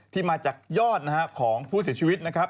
ที่มาจากยอดของผู้เสียชีวิตนะครับ